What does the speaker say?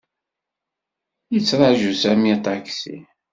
Yettṛaju Sami aṭaksi.